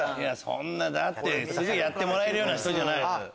そんなだってすぐやってもらえる人じゃない。